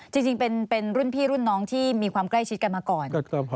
จริงเป็นรุ่นพี่รุ่นน้องที่มีความใกล้ชิดกันมาก่อน